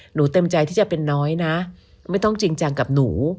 เต็มใจที่จะเป็นน้อยนะไม่ต้องจริงจังกับหนู